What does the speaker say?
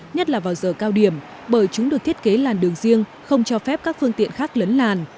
nhất là vào giờ cao điểm bởi chúng được thiết kế làn đường riêng không cho phép các phương tiện khác lấn làn